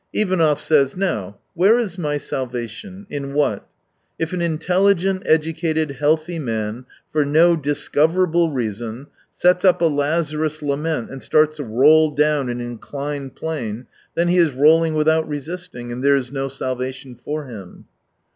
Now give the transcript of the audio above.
— Ivanov says :" Now, where is my salvation ? In what ? If an intelligent, educated, healthy man for no discoverable reason sets up a Lazarus lament and starts to roll down an inclined plane, then he is rolling without resisting, and there is no salvation for him."